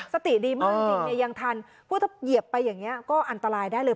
สติดีมากจริงเนี่ยยังทันพูดถ้าเหยียบไปอย่างนี้ก็อันตรายได้เลย